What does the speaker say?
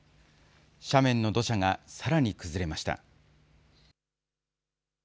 斜面の土砂がさらに崩れました。